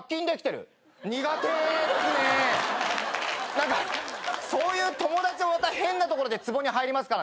何かそういう友達もまた変なところでつぼに入りますからね。